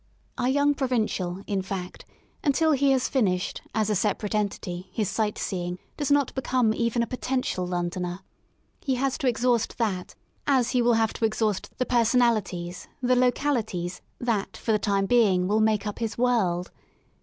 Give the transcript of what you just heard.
Our young provincial, in fact, until he has finished, as a separate entity, his sight seeing, does not become even a potential Londoner. He has to exhaust that as he will have to exhaust the personalities, the localities, that for the time being will make up his ^^ world.''